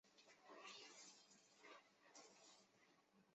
是觉得我称王益州名不正言不顺吗？